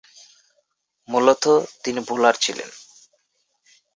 মূলতঃ তিনি বোলার ছিলেন।